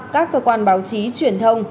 các cơ quan báo chí truyền thông